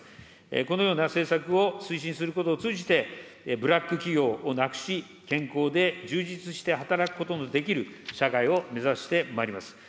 このような政策を推進することを通じて、ブラック企業をなくし、健康で充実して働くことのできる社会を目指してまいります。